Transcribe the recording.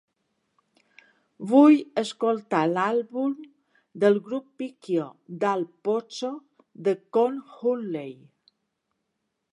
Vull escoltar l'àlbum del grup Picchio Dal Pozzo de Con Hunley